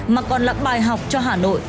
mà còn là bài học cho hà nội